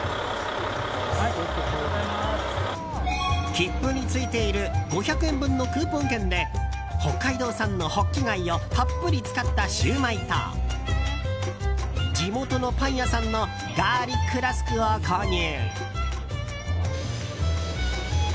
切符についている５００円分のクーポン券で北海道産のホッキ貝をたっぷり使ったシューマイと地元のパン屋さんのガーリックラスクを購入。